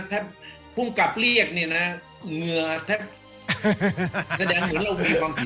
ถ้าภูมิกับเรียกเนี่ยนะเหงื่อแทบแสดงเหมือนเรามีความผิด